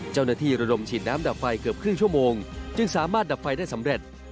ระดมฉีดน้ำดับไฟเกือบครึ่งชั่วโมงจึงสามารถดับไฟได้สำเร็จ